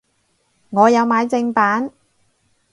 我有買正版